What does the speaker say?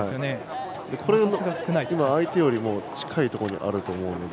これが相手よりも近いところにあると思うので。